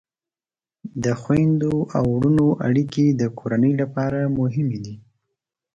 د خویندو او ورونو اړیکې د کورنۍ لپاره مهمې دي.